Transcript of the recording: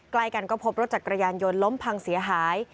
ใกล้กันก็พบรถจักรยานยนต์ล้มพังเสียหาย